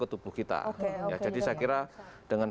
ke tubuh kita ya jadi saya kira dengan